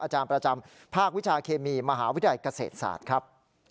อาจารย์ประจำภาควิชาเคมีมหาวิทยาลัยเกษตรศาสตร์ครับ